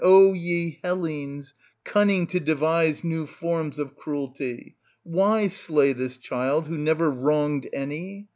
O ye Hellenes, cimning to devise new forms of cruelty, why slay this child who never wronged any